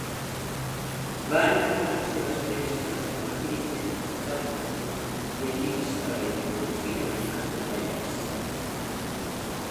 Va enumerar les seves creacions com a "criquet, bàdminton, llegir història i filosofia, escoltar jazz".